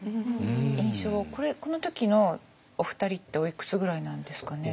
この時のお二人っておいくつぐらいなんですかね？